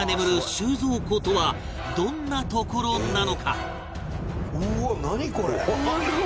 収蔵庫とはどんな所なのか？